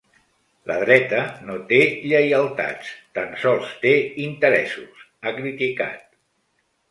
La dreta no té lleialtats, tan sols té interessos, ha criticat.